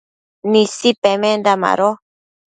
Nisi pemenda mado